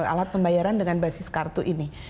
alat pembayaran dengan basis kartu ini